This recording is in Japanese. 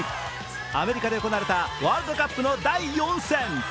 アメリカで行われたワールドカップの第４戦。